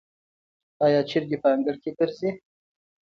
آیا چرګې په انګړ کې ګرځي؟